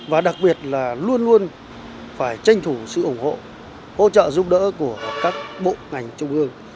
và đặc biệt là luôn luôn phải tranh thủ sự ủng hộ hỗ trợ giúp đỡ của các bộ ngành trung ương